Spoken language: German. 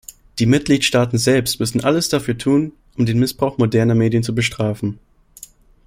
Die Mitgliedstaaten selbst müssen alles dafür tun, um den Missbrauch moderner Medien zu bestrafen.